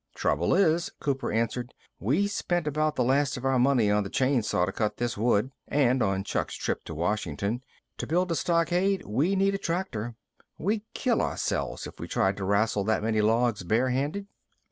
"Trouble is," Cooper answered, "we spent about the last of our money on the chain saw to cut this wood and on Chuck's trip to Washington. To build a stockade, we need a tractor. We'd kill ourselves if we tried to rassle that many logs bare handed."